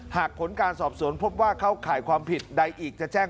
หากผลการสอบสวนพบว่าเขาขายความผิดใดอีกทะเก่งฮะเพิ่ม